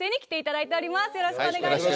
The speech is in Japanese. よろしくお願いします。